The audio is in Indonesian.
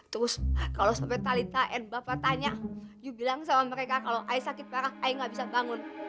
terus kalau sampai talitha and bapak tanya iu bilang sama mereka kalau i sakit parah i nggak bisa bangun